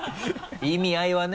意味合いはね。